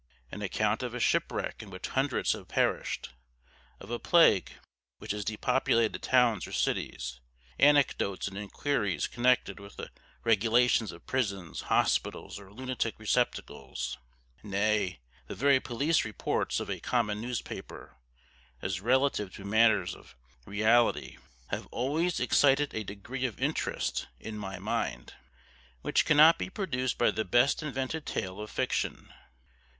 An account of a shipwreck in which hundreds have perished; of a plague which has depopulated towns or cities; anecdotes and inquiries connected with the regulations of prisons, hospitals, or lunatic receptacles; nay, the very police reports of a common newspaper as relative to matters of reality, have always excited a degree of interest in my mind, which cannot be produced by the best invented tale of fiction.